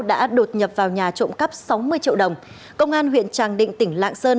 đã đột nhập vào nhà trộm cắp sáu mươi triệu đồng công an huyện tràng định tỉnh lạng sơn